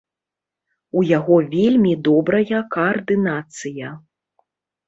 У яго вельмі добрая каардынацыя.